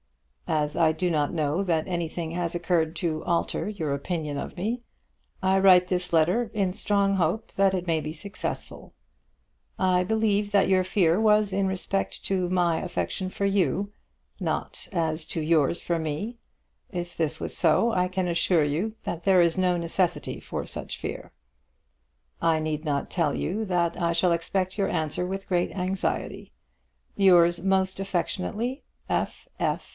As I do not know that anything has occurred to alter your opinion of me, I write this letter in strong hope that it may be successful. I believe that your fear was in respect to my affection for you, not as to yours for me. If this was so, I can assure you that there is no necessity for such fear. I need not tell you that I shall expect your answer with great anxiety. Yours most affectionately, F. F.